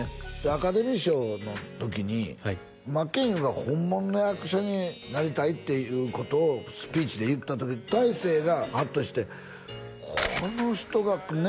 アカデミー賞の時に真剣佑が本物の役者になりたいっていうことをスピーチで言った時に大成がハッとしてこの人がね